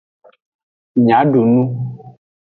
Mia du nu.